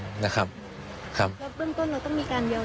แล้วพื้นต้นเราต้องมีการเดียวยาพวกนี้จะใช่อะไรนะครับ